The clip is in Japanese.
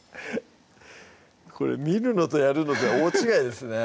これ見るのとやるのじゃ大違いですね